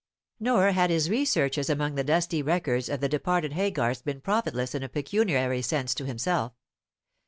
Nor had his researches among the dusty records of the departed Haygarths been profitless in a pecuniary sense to himself.